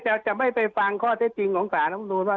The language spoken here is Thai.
ศาลนี่จะไม่ไปฟังข้อเท็จจริงของศาลรัฐมนูนว่า